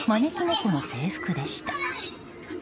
この制服でした。